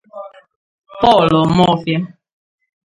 Paul Omofia